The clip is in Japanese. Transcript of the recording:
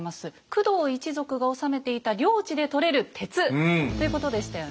工藤一族が治めていた領地でとれる鉄ということでしたよね。